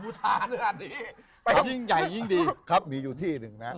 บูชาในอันนี้ยิ่งใหญ่ยิ่งดีครับมีอยู่ที่หนึ่งน่ะ